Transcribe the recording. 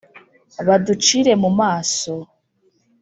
baducire mu maso